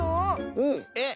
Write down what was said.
うん。えっ？